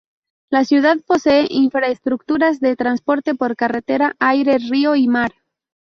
La ciudad posee infraestructuras de transporte por carretera, aire, río y mar.